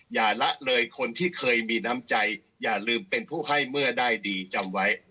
อย่าละเลยคนที่เคยมีน้ำใจอย่าลืมเป็นผู้ให้เมื่อได้ดีจำไว้